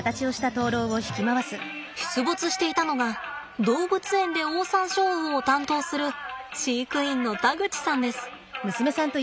出没していたのが動物園でオオサンショウウオを担当する飼育員の田口さんです。